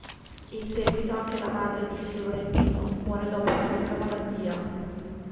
In seguito anche la madre di Florentino muore dopo una lunga malattia.